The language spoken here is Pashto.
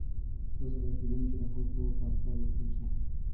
تاسو باید په ژوند کې د خلکو په افکارو پوه شئ.